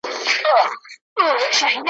د اسمان په خوښه دلته اوسېده دي .